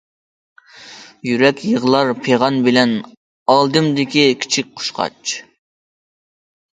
يۈرەك يىغلار پىغان بىلەن، ئالدىمدىكى كىچىك قۇشقاچ.